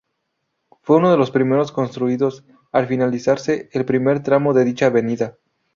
Fue uno de los primeros construidos al finalizarse el primer tramo de dicha avenida.